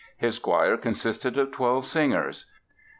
His choir consisted of twelve singers.